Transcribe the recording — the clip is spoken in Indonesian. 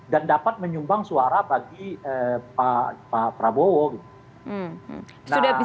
dan dapat menyumbang suara bagi pak prabowo gitu